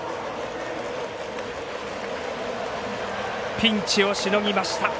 ピンチをしのぎました。